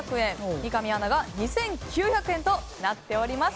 三上アナが２９００円となっております。